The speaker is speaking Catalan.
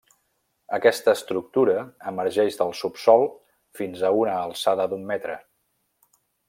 Aquesta estructura emergeix del subsòl fins a una alçada d'un metre.